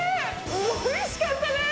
おいしかったです！